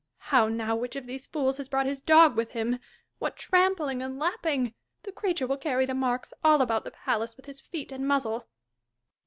— How now ! which of these fools has brought his dog with him ? What trampling and lapping ! the creature will carry the marks all about the palace with his feet and muzzle.